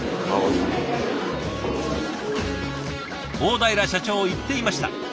大平社長言っていました。